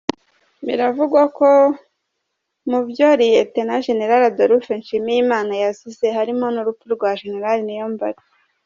Binavugwa ko mubyo Lt Gen Adolphe Nshimirimana yazize harimo n’urupfu rwa Gen Niyombare.